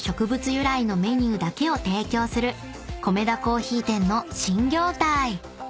由来のメニューだけを提供するコメダ珈琲店の新業態］